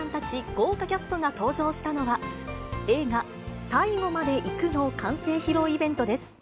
豪華キャストが登場したのは、映画、最後まで行くの完成披露イベントです。